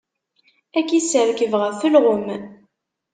Ad k-isserkeb ɣef ulɣem.